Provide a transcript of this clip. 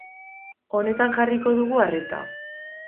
Honetan jarriko dugu arreta.